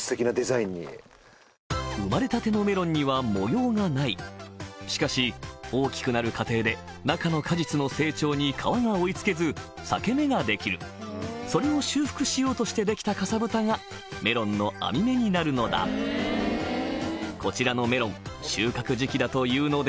生まれたてのメロンにはしかし大きくなる過程で中の果実の成長に皮が追い付けず裂け目ができるそれを修復しようとしてできたかさぶたがメロンの網目になるのだこちらのメロン収穫時期だというので